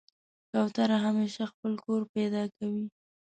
کوتره همیشه خپل کور پیدا کوي.